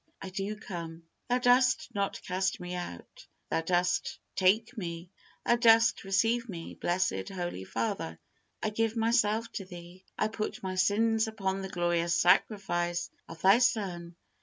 I do come; Thou dost not cast me out; Thou dost take me; Thou dost receive me. Blessed, Holy Father, I give myself to Thee. I put my sins upon the glorious sacrifice of Thy Son.